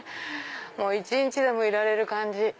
一日でもいられる感じ。